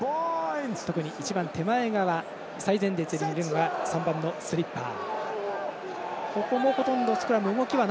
一番手前側最前列にいるのが３番、スリッパー。